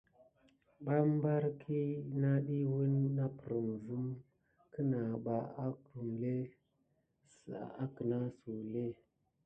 Mambara ki nadi wuna naprime sim kinaba aklune sa anasu lé.